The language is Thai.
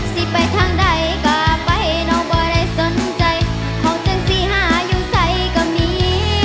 สิไปทางใดก็ไปน้องบ่ได้สนใจของฉันสิหาอยู่ใจก็มี